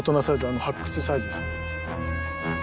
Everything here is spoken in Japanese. あの発掘サイズですね。